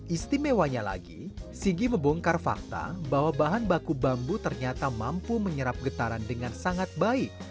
istimewanya lagi singgi membongkar fakta bahwa bahan baku bambu ternyata mampu menyerap getaran dengan sangat baik